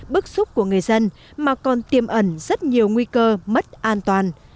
bức xúc của người dân mà còn tiêm ẩn rất nhiều nguy cơ mất an toàn